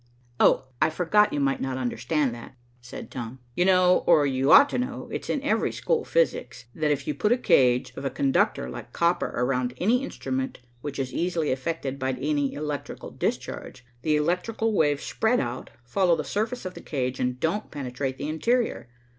"Oh, I forgot you might not understand that," said Tom. "You know, or you ought to know, it's in every school physics, that if you put a cage of a conductor like copper around any instrument which is easily affected by any electrical discharge, the electrical waves spread out, follow the surface of the cage, and don't penetrate the interior.